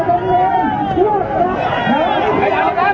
สวัสดีครับ